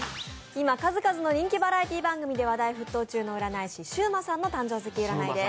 今数々の人気バラエティー番組で話題沸騰中の人気占い師、シウマさんの誕生月占いです。